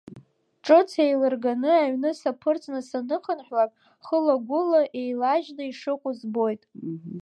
Ҿыц еилырганы аҩны саԥырҵны саныхынҳәлак, хылагәыла еилажьны ишыҟоу збоит.